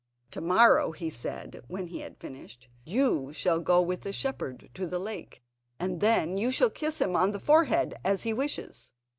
"To morrow," he said, when he had finished, "you shall go with the shepherd to the lake, and then you shall kiss him on the forehead as he wishes."